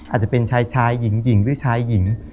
อาจจะเป็นชายชายหญิงหรือชายหญิง